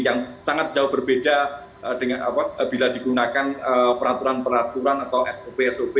yang sangat jauh berbeda bila digunakan peraturan peraturan atau sop sop